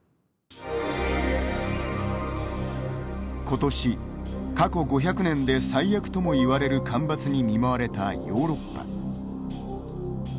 今年、過去５００年で最悪とも言われる干ばつに見舞われたヨーロッパ。